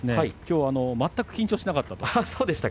その平戸海は、きょうは全く緊張しなかったと。